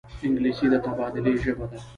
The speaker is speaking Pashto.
انګلیسي د تبادلې ژبه ده